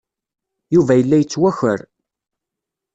Yuba yella yettwakar.